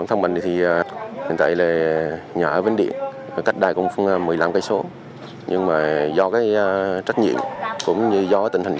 nóng mưa ngày đêm áp lực công việc và cả nguy cơ dịch bệnh